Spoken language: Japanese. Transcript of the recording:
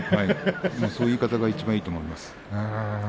そういう言い方がいちばんいいと思います。